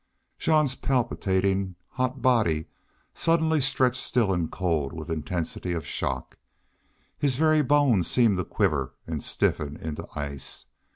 Jean's palpitating, hot body suddenly stretched still and cold with intensity of shock. His very bones seemed to quiver and stiffen into ice.